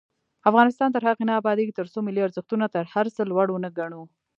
افغانستان تر هغو نه ابادیږي، ترڅو ملي ارزښتونه تر هر څه لوړ ونه ګڼو.